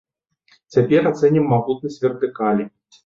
Цяпер ацэнім магутнасць вертыкалі.